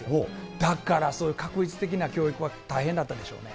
だからそういう画一的な教育は大変だったでしょうね。